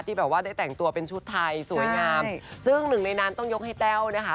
แบบว่าได้แต่งตัวเป็นชุดไทยสวยงามซึ่งหนึ่งในนั้นต้องยกให้แต้วนะคะ